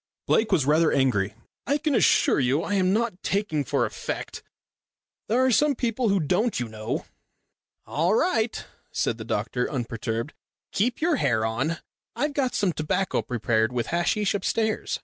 Lake was rather angry. "I can assure you I am not talking for effect. There are some people who don't, you know." "All right," said the doctor, unperturbed. "Keep your hair on. I've got some tobacco prepared with hasheesh upstairs.